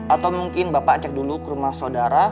atau mungkin bapak cek dulu ke rumah saudara